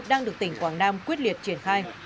đang được tỉnh quảng nam quyết liệt triển khai